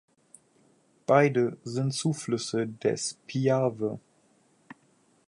Beide sind Zuflüsse des Piave.